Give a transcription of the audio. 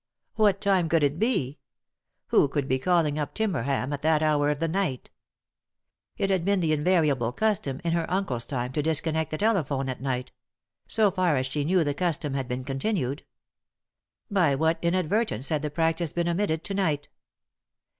What time could it be ? Who could be calling op Timberham at that hour of the night ? It had been the invariable custom, in her uncle's time, to disconnect the telephone at night; so far as she knew the custom had been continued. By what inadvertence had the practice been omitted to night